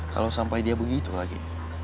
kalau sampai dia begitu lagi